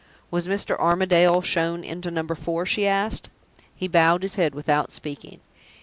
"Was Mr. Armadale shown into Number Four?" she asked. He bowed his head without speaking.